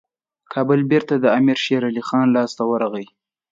کابل بیرته د امیر شېرعلي خان لاسته ورغی.